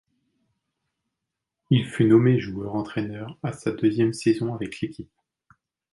Il fut nommé joueur-entraîneur à sa deuxième saison avec l'équipe.